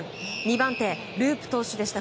２番手、ループ投手でした。